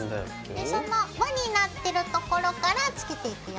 でそのわになってるところから付けていくよ。